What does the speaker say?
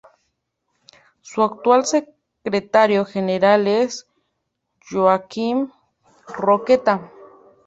Su actual secretario general es Joaquim Roqueta.